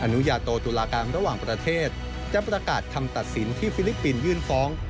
อนุญาโตตุลาการระหว่างประเทศจะประกาศคำตัดสินที่ฟิลิปปินส์ยื่นฟ้อง